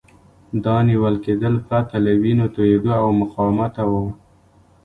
دا نیول کېدل پرته له وینو توېیدو او مقاومته وو.